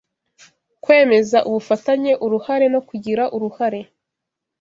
kwemeza ubufatanye uruhare no kugira uruhare